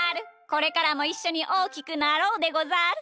これからもいっしょにおおきくなろうでござる！